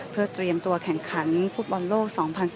เพื่อเตรียมตัวแข่งขันภูมิวันโลก๒๐๑๘